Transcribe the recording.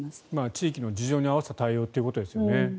地域の事情に合わせた対応ということですよね。